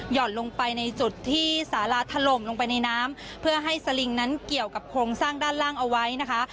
่อนลงไปในจุดที่สาราถล่มลงไปในน้ำเพื่อให้สลิงนั้นเกี่ยวกับโครงสร้างด้านล่างเอาไว้นะคะ